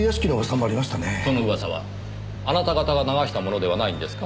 その噂はあなた方が流したものではないんですか？